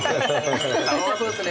顔はそうですね。